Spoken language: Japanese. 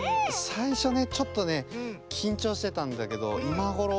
さいしょねちょっとねきんちょうしてたんだけどいまごろ